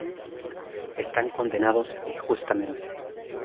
Están condenados injustamente.